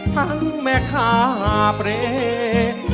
ทั้งแม่คาเปรต